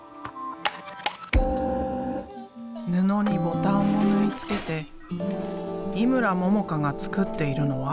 布にボタンを縫い付けて井村ももかが作っているのは？